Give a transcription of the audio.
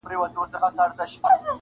ما ته بيرته يو ځل راكه اولادونه!.